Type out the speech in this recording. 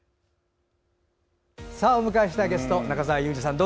お迎えしたゲスト中澤佑二さんです。